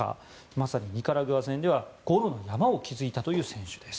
まさにニカラグア戦ではゴロの山を築いたという選手です。